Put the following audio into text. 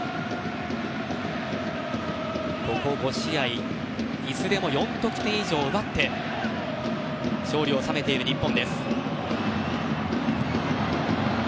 ここ５試合いずれも４得点以上を奪って勝利を収めている日本。